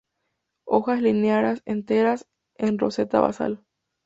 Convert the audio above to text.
Hojas lineares, enteras, en roseta basal.